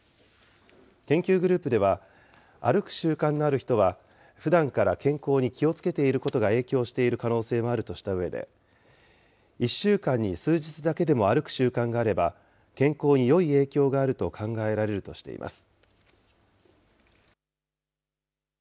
研究グループでは、歩く習慣のある人は、ふだんから健康に気をつけていることが影響している可能性もあるとしたうえで、１週間に数日だけでも歩く習慣があれば、健康によい影響があると考えられるとしています。